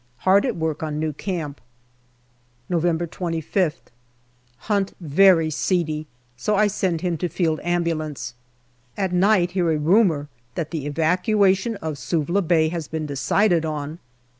Hard at work on new camp. November 25th. Hunt very seedy, so I send him to Field Ambulance. At night hear a rumour that the evacuation of Suvla Bay has been decided on.